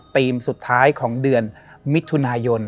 ทีมสุดท้ายของเดือนมิถุนายน